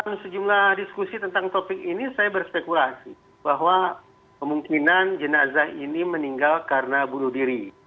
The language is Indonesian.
dalam sejumlah diskusi tentang topik ini saya berspekulasi bahwa kemungkinan jenazah ini meninggal karena bunuh diri